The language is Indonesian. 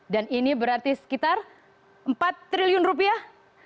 dan ini berarti sekitar empat triliun rupiah